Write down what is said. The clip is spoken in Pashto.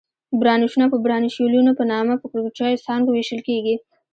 برانشونه په برانشیولونو په نامه پر کوچنیو څانګو وېشل کېږي.